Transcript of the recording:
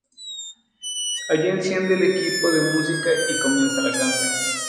Allí, enciende el equipo de música y comienza la canción.